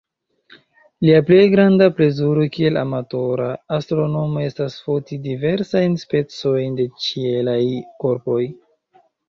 Lia plej granda plezuro kiel amatora astronomo estas foti diversajn specojn de ĉielaj korpoj.